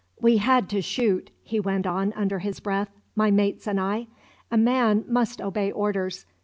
"We had to shoot," he went on under his breath; "my mates and I. A man must obey orders.